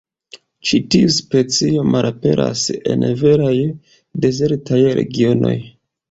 Ĉi tiu specio malaperas en veraj dezertaj regionoj.